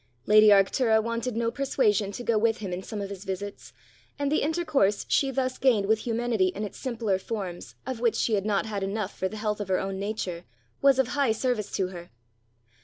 Lady Arctura wanted no persuasion to go with him in some of his visits; and the intercourse she thus gained with humanity in its simpler forms, of which she had not had enough for the health of her own nature, was of high service to her.